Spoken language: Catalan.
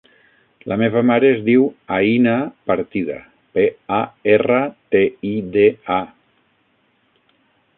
La meva mare es diu Aïna Partida: pe, a, erra, te, i, de, a.